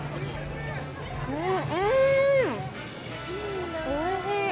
うーん、おいしい。